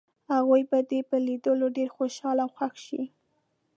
هغوی به دې په لیدو ډېر خوشحاله او خوښ شي.